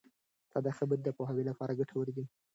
ساده خبرې د پوهاوي لپاره ګټورې دي.